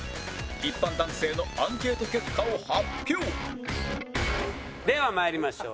一般男性のアンケート結果を発表ではまいりましょう。